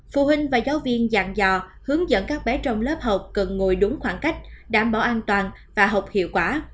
phụ huynh và giáo viên dạng dò hướng dẫn các bé trong lớp học cần ngồi đúng khoảng cách đảm bảo an toàn và học hiệu quả